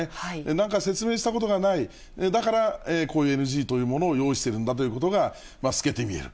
なんか説明したことがない、だからこういうＮＧというものを用意してるんだということが透けて見える。